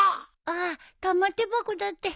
ああ玉手箱だって。